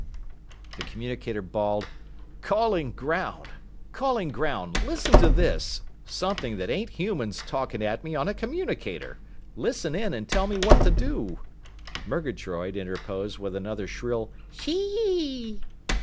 _" The communicator bawled, "Calling ground! Calling ground! Listen to this! Something that ain't human's talking at me on a communicator! Listen in an' tell me what to do!" Murgatroyd interposed with another shrill, "_Chee!